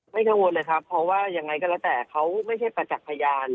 กังวลเลยครับเพราะว่ายังไงก็แล้วแต่เขาไม่ใช่ประจักษ์พยาน